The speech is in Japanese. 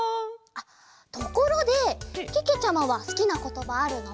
ところでけけちゃまはすきなことばあるの？